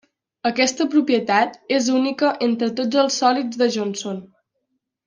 Aquesta propietat és única entre tots els sòlids de Johnson.